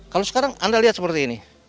kalau sekarang anda lihat seperti ini